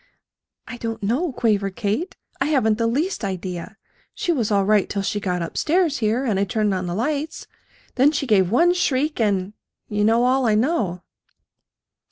"I don't know," quavered Kate. "I haven't the least idea. She was all right till she got up stairs here, and I turned on the lights. Then she gave one shriek and you know all I know."